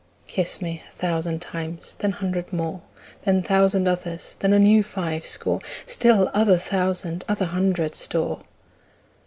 Kiss me a thousand times, then hundred more, Then thousand others, then a new five score, Still other thousand other hundred store.